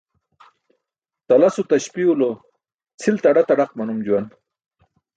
Talaso taśpi̇w lo cʰil tadaq tadaq maum juwan.